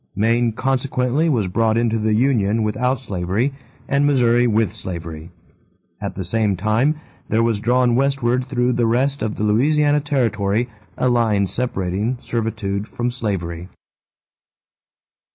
Maine consequently was brought into the union without slavery and Missouri with slavery. At the same time there was drawn westward through the rest of the Louisiana territory a line separating servitude from slavery.